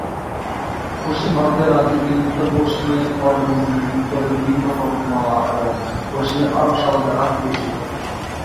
পশ্চিম ভারতের রাজ্যগুলি উত্তর-পশ্চিমে থর মরুভূমি, উত্তরে বিন্ধ্য পর্বতমালা, এবং পশ্চিমে আরব সাগর দ্বারা বেষ্টিত।